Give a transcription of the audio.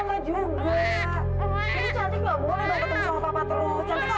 cantiknya udah ketemu sama papa kemarin bahkan sampe nyurut segala